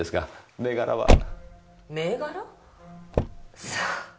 銘柄？さあ。